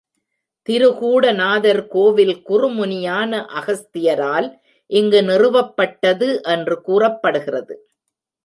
திருகூட நாதர் கோவில் குறுமுனியான அகஸ்தியரால் இங்கு நிறுவப்பட்டது என்று கூறப்படுகிறது.